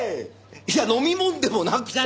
いや飲みもんでもなくて。